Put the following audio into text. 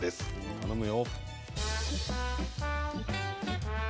頼むよ。